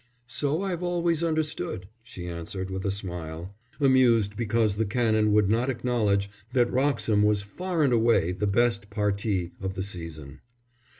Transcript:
"So I've always understood," she answered with a smile, amused because the Canon would not acknowledge that Wroxham was far and away the best parti of the season.